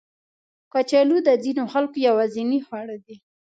کچالو د ځینو خلکو یوازینی خواړه دي